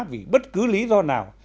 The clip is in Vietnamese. vì bất cứ lý do nào